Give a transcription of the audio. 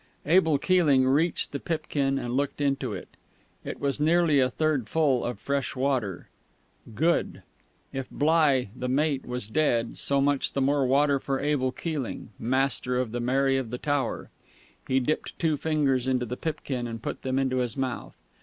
Abel Keeling reached the pipkin and looked into it. It was nearly a third full of fresh water. Good. If Bligh, the mate, was dead, so much the more water for Abel Keeling, master of the Mary of the Tower. He dipped two fingers into the pipkin and put them into his mouth.